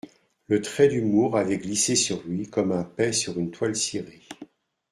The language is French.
Le trait d’humour avait glissé sur lui comme un pet sur une toile cirée.